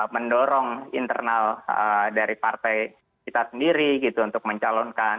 mendorong internal dari partai kita sendiri gitu untuk mencalonkan